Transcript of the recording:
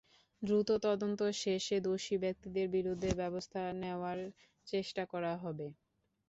দ্রুত তদন্ত শেষে দোষী ব্যক্তিদের বিরুদ্ধে ব্যবস্থা নেওয়ার চেষ্টা করা হবে।